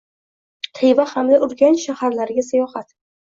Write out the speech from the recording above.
Xiva hamda Urganch shaharlariga sayohat